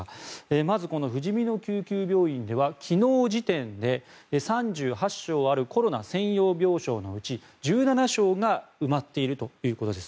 まずこのふじみの救急病院では昨日時点で３８床あるコロナ専用病床のうち１７床が埋まっているということです。